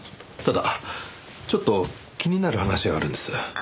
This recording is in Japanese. ただちょっと気になる話があるんです。